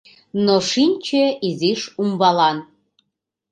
Но шинче изиш умбалан.